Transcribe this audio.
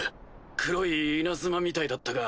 黒い稲妻みたいだったが。